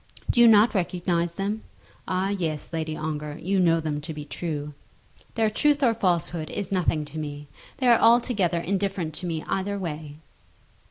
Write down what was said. Do you not recognize them? Ah, yes, Lady Ongar; you know them to be true." "Their truth or falsehood is nothing to me. They are altogether indifferent to me either way."